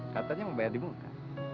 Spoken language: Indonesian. katanya mau bayar di muka